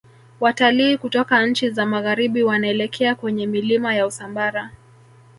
Watilii kutoka nchi za magharibi wanaelekea kwenye milima ya usambara